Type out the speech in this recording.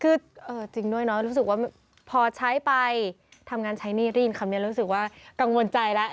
คือจริงด้วยเนาะรู้สึกว่าพอใช้ไปทำงานใช้หนี้ได้ยินคำนี้รู้สึกว่ากังวลใจแล้ว